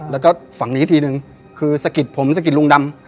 แล้วก็ฝั่งนี้ทีนึงคือสะกิดผมสะกิดลุงดำ